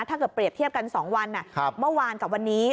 ถ้าเกิดเปรียบเทียบกัน๒วันเมื่อวานกับวันนี้